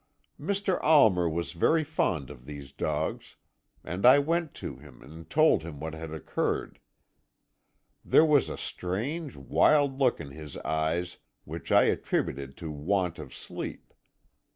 "Mr. Almer was very fond of these dogs, and I went to him and told him what had occurred. There was a strange, wild look in his eyes which I attributed to want of sleep.